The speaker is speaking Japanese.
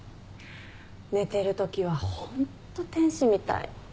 寝てる時は本当天使みたい。